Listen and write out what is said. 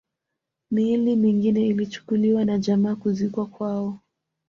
Miili mingine ilichukuliwa na jamaa kuzikwa kwao